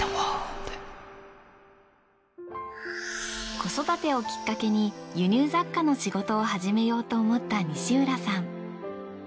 子育てをきっかけに輸入雑貨の仕事を始めようと思った西浦さん。